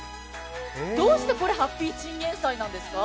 どうして、これハッピーチンゲンサイなんですか？